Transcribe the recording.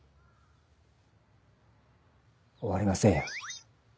終わりませんよ。